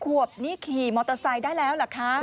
ขวบนี่ขี่มอเตอร์ไซค์ได้แล้วเหรอคะ